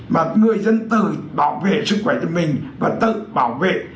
mà người dân tự bảo vệ sức khỏe của mình và tự bảo vệ